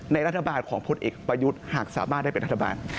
รัฐบาลของพลเอกประยุทธ์หากสามารถได้เป็นรัฐบาล